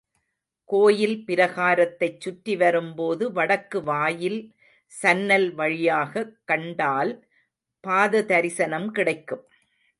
கோயில் பிராகாரத்தைச்சுற்றி வரும் போது வடக்கு வாயில் சன்னல் வழியாகக் கண்டால் பாததரிசனம் கிடைக்கும்.